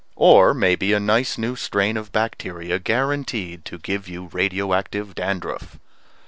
Or maybe a nice new strain of bacteria guaranteed to give you radio active dandruff.